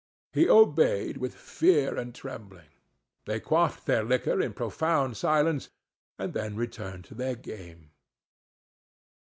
He obeyed with fear and trembling; they quaffed the liquor in profound silence, and then returned to their game.